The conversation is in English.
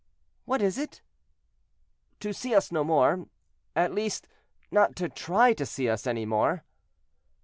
"What is it?" "To see us no more; at least, not to try to see us any more."